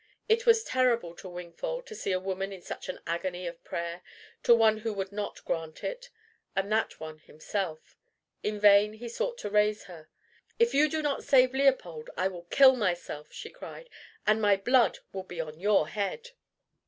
It was terrible to Wingfold to see a woman in such an agony of prayer to one who would not grant it and that one himself. In vain he sought to raise her. "If you do not save Leopold, I will kill myself," she cried, "and my blood will be on your head."